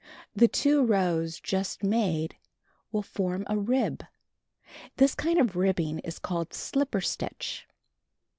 The two rows just made will form a rib. This kind of rib is called "slipper stitch."